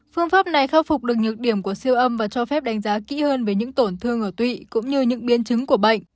phương pháp này khắc phục được nhược điểm của siêu âm và cho phép đánh giá kỹ hơn về những tổn thương ở tụy cũng như những biến chứng của bệnh